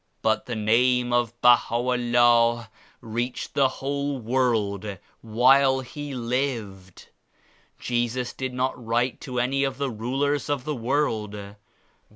But the Name of BahaVllah reached the whole world while He lived. Jesus did not write to any of the rulers of the world.